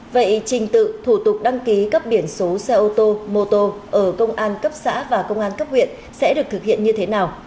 vậy trình tự thủ tục đăng ký cấp biển số xe ô tô mô tô ở công an cấp xã và công an cấp huyện sẽ được thực hiện như thế nào